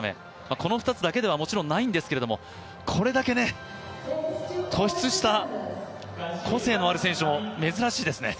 この２つだけではもちろんないんですけれどもこれだけ突出した個性のある選手も珍しいですね。